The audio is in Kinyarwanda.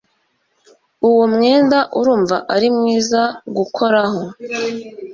Uwo mwenda urumva ari mwiza gukoraho